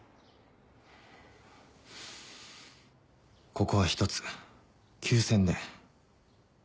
ここは一つ休戦で。